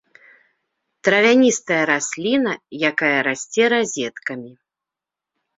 Травяністая расліна, якая расце разеткамі.